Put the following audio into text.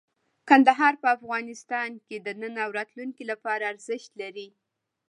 کندهار په افغانستان کې د نن او راتلونکي لپاره ارزښت لري.